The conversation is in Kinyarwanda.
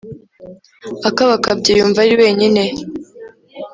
" akabakabye yumva ari wenyine,